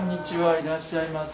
いらっしゃいませ。